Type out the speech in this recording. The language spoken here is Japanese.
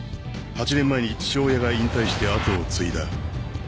８年前に父親が引退して後を継いだ。